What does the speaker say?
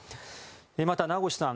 また、名越さん